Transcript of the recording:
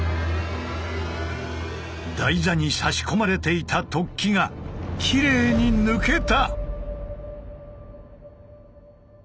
台座に差し込まれていた突起がきれいに抜けた！